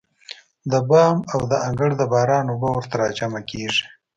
د بام او د انګړ د باران اوبه ورته راجمع کېږي.